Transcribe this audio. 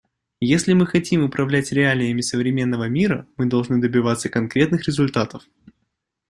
Если мы хотим управлять реалиями современного мира, мы должны добиваться конкретных результатов.